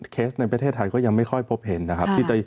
เคสในประเทศไทยก็ยังไม่ค่อยพบเห็นนะครับ